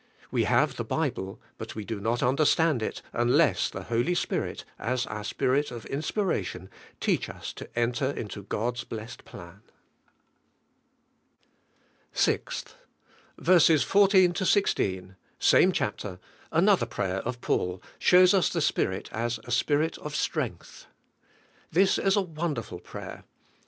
We have the Bible, but v/e do not understand it, unless the Holy Spirit, as our Spirit of inspiration, teach us to enter into God's blessed plan. 64 THK SPIRITUAL LIFE. 6. Verses 14 16, same chapter, another prayer of Paul, shows us the Spirit as a Spirit of strength^ This is a wonderful prayer.